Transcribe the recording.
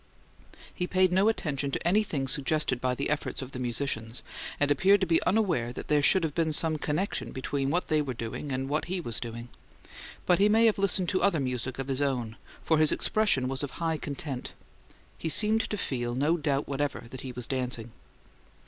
He paid no attention to anything suggested by the efforts of the musicians, and appeared to be unaware that there should have been some connection between what they were doing and what he was doing; but he may have listened to other music of his own, for his expression was of high content; he seemed to feel no doubt whatever that he was dancing.